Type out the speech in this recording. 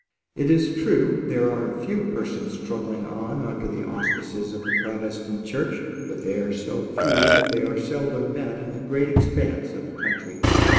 It is true, there are a few persons struggling on under the auspices of the Protestant church; but they are so few that they are seldom met in the great expanse of the country.